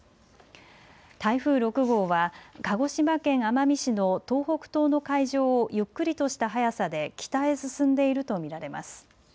台風６号は鹿児島県奄美市の東北東の海上をゆっくりとした速さで北へ進んでいると見られます。